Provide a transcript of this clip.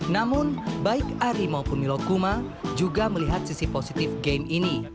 namun baik ari maupun milokuma juga melihat sisi positif game ini